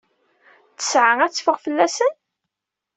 Ttesɛa ad teffeɣ fell-asen?